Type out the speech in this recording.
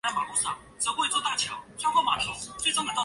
全碟皆由作曲。